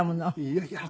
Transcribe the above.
いやいや。